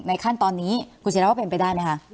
ขั้นตอนนี้คุณศิราว่าเป็นไปได้ไหมคะ